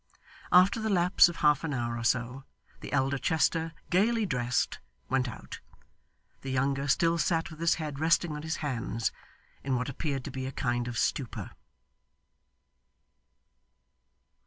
After the lapse of half an hour or so, the elder Chester, gaily dressed, went out. The younger still sat with his head resting on his hands, in what appeared to be a kind of stupor.